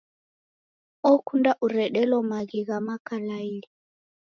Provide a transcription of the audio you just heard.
Okunda uredelo maghi gha makalai.